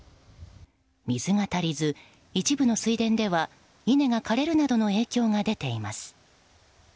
水が足りず、一部の水田では稲が枯れるなどの影響が出ています。